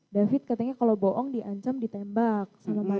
david katanya kalau bohong diancam ditembak sama mereka